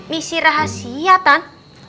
misi rahasia tan